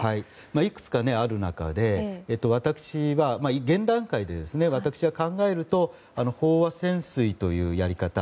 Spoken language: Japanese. いくつかある中で現段階で私が考えると飽和潜水というやり方